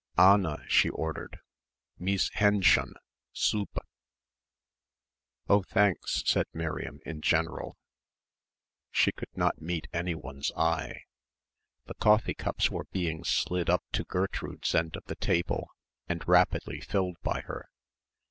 "Anna!" she ordered, "Meece Hendshon! Suppe!" "Oh, thanks," said Miriam, in general. She could not meet anyone's eye. The coffee cups were being slid up to Gertrude's end of the table and rapidly filled by her.